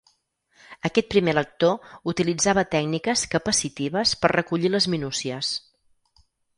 Aquest primer lector utilitzava tècniques capacitives per recollir les minúcies.